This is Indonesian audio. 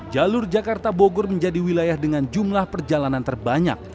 jalur jakarta bogor menjadi wilayah dengan jumlah perjalanan terbanyak